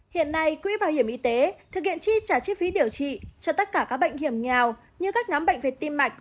hiện nay quỹ bảo hiểm y tế thực hiện chi trả chi phí điều trị cho tất cả các bệnh hiểm nghèo như các nhóm bệnh về tim mạch